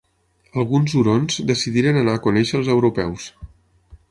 Alguns hurons decidiren anar a conèixer als europeus.